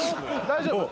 大丈夫？